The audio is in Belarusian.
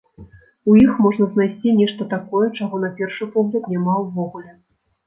У іх можна знайсці нешта такое, чаго, на першы погляд, няма ўвогуле.